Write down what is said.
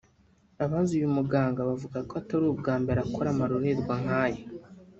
Abazi uyu muganga bavuga ko atari ubwa mbere akora amarorerwa nkaya